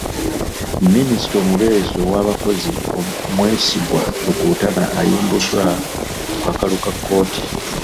Minisita omubeezi ow'abakozi Mwesigwa Rukutana ayimbuddwa ku kakalu ka kkooti.